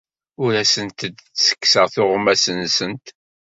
Ur asent-d-ttekkseɣ tuɣmas-nsent.